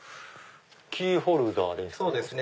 キーホルダーですか？